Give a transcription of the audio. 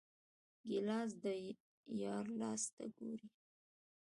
ګیلاس د یار لاس ته ګوري.